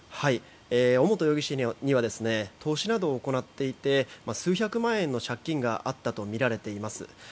尾本容疑者には投資などを行っていて数百万円の借金があったとみられています。